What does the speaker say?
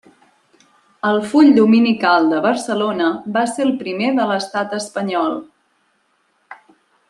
El Full dominical de Barcelona va ser el primer de l'estat espanyol.